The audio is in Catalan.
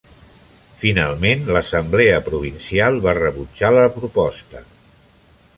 Finalment, l'assemblea provincial va rebutjar la proposta.